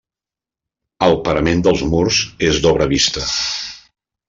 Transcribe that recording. El parament dels murs és d'obra vista.